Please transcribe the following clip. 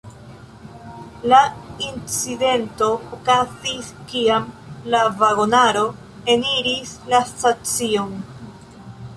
La incidento okazis kiam la vagonaro eniris la stacion.